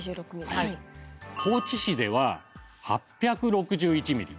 高知市では８６１ミリ。